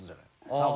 多分。